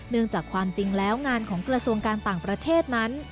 จากความจริงแล้วงานของกระทรวงการต่างประเทศนั้น